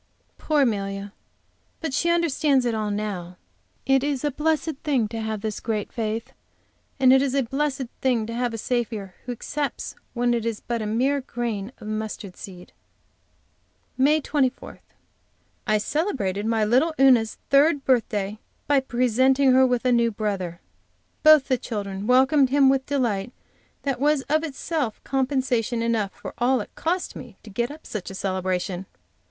Poor Amelia! But she understands it all now. It is a blessed thing to have this great faith, and it is a blessed thing to have a Saviour who accepts it when it is but a mere grain of mustard seed! MAY 24. I celebrated my little Una's third birthday by presenting her with a new brother. Both the children welcomed him with delight that was itself compensation enough for all it cost me to get up such a celebration.